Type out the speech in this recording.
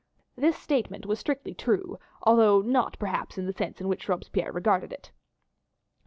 This statement was strictly true, although not perhaps in the sense in which Robespierre regarded it.